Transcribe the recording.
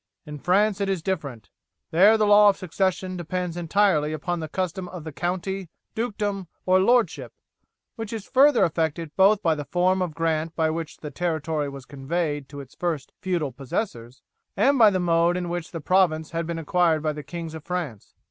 In France it is different. There the law of succession depends entirely upon the custom of the county, dukedom, or lordship, which is further affected both by the form of grant by which the territory was conveyed to its first feudal possessors and by the mode in which the province had been acquired by the kings of France.